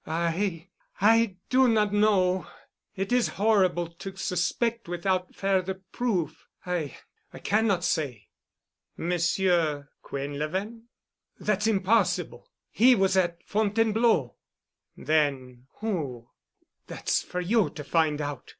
"I—I do not know. It is horrible to suspect without further proof. I—I cannot say." "Monsieur Quinlevin?" "That's impossible. He was at Fontainebleau." "Then who——?" "That's for you to find out.